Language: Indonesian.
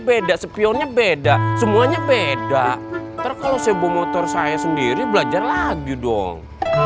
beda spionnya beda semuanya beda ntar kalau sebu motor saya sendiri belajar lagi dong